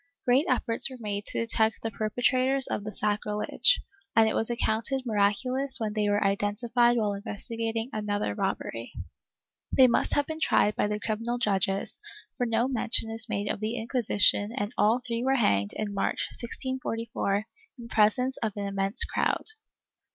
Great efforts were made to detect the per petrators of the sacrilege, and it was accounted miraculous when they were identified while investigating another robbery. They must have been tried by the criminal judges, for no mention is made of the Inquisition and all three were hanged in March, 1G44, in presence of an immense crowd.